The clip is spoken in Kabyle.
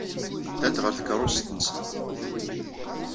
Ddant ɣer tkeṛṛust-nsent.